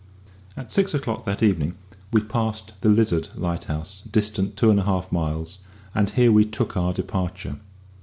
At six o'clock that evening we passed the Lizard lighthouse, distant two and a half miles, and here we took our departure.